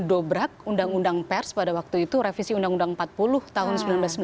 dobrak undang undang pers pada waktu itu revisi undang undang empat puluh tahun seribu sembilan ratus sembilan puluh